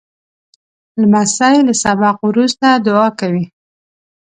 لمسی له سبق وروسته دعا کوي.